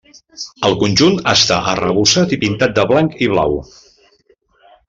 El conjunt està arrebossat i pintat de blanc i blau.